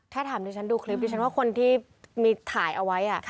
ถ้าถามดิฉันดูคลิปดิฉันว่าคนที่มีถ่ายเอาไว้